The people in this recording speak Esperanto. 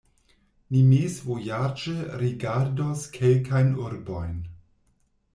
Ni mezvojaĝe rigardos kelkajn urbojn.